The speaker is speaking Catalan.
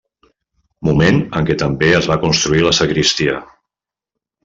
Moment en què també es va construir la sagristia.